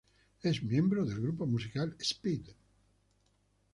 Es miembro del grupo musical Speed.